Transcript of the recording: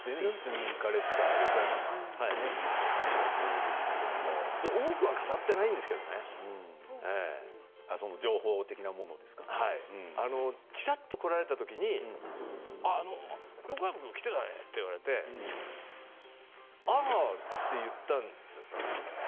一緒に行かれていた横山さん、息子さん役多くは語っていないんですけどねちらっと来られた時横山君、来ていたよと言われてああ、と言ったんです。